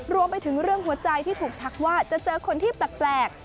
รวมไปถึงเรื่องหัวใจที่ถูกทักว่าจะเจอคนที่แปลก